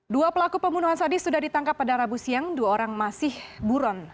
dua pelaku pembunuhan sadis sudah ditangkap pada rabu siang dua orang masih buron